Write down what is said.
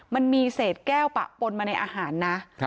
มันมีเศษแก้วปะปนมาในอาหารนะ